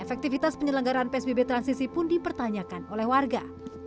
efektivitas penyelenggaran psbb transisi pun dipertanyakan oleh warga